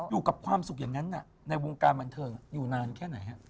อยู่กับความสุขอย่างนั้นในวงการบันเทิงอยู่นานแค่ไหนฮะ